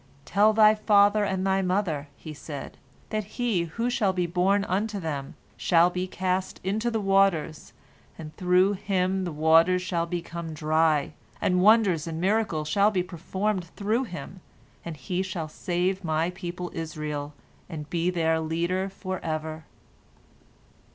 'Tell thy father and thy mother,' he said, 'that he who shall be born unto them, shall be cast into the waters, and through him the waters shall become dry, and wonders and miracles shall be performed through him, and he shall save My people Israel, and be their leader forever.'